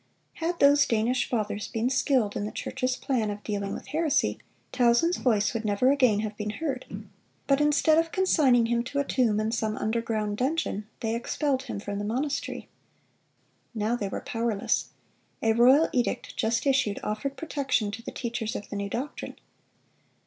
Had those Danish fathers been skilled in the church's plan of dealing with heresy, Tausen's voice would never again have been heard; but instead of consigning him to a tomb in some underground dungeon, they expelled him from the monastery. Now they were powerless. A royal edict, just issued, offered protection to the teachers of the new doctrine.